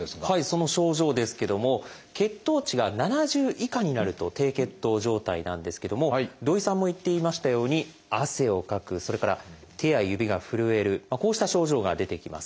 その症状ですけども血糖値が７０以下になると低血糖状態なんですけども土井さんも言っていましたように汗をかくそれから手や指が震えるこうした症状が出てきます。